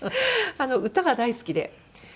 歌が大好きで。